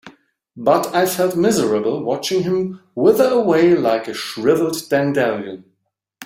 But I felt miserable watching him wither away like a shriveled dandelion.